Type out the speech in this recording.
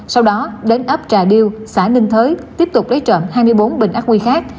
sau đó đến ấp trà điêu xã ninh thới tiếp tục lấy trộm hai mươi bốn bình ác quy khác